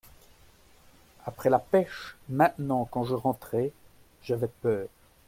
Après la pêche, maintenant, quand je rentrais, j'avais peur.